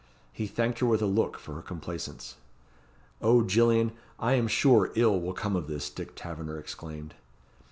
He thanked her with a look for her complaisance. "O Gillian, I am sure ill will come of this," Dick Taverner exclaimed.